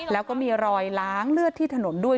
แล้วก็มีรอยล้างเลือดที่ถนนด้วย